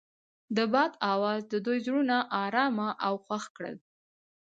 د باد اواز د دوی زړونه ارامه او خوښ کړل.